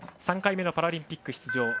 ３回目のパラリンピック出場。